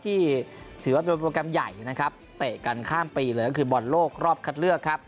ที่ถือว่าเป็นโปรแกรมใหญ่นะครับเตะกันข้ามปีเลยก็คือบอลโลกรอบคัดเลือกครับ